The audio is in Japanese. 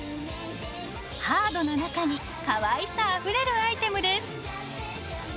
ハードな中にかわいさあふれるアイテムです。